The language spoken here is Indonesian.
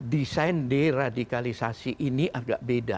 desain deradikalisasi ini agak beda